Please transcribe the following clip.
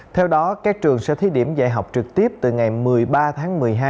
theo đó các trường sẽ thí điểm dạy học trực tiếp từ ngày một mươi ba tháng một mươi hai